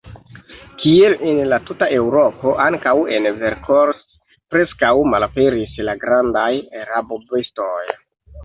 Kiel en la tuta Eŭropo, ankaŭ en Vercors preskaŭ malaperis la grandaj rabobestoj.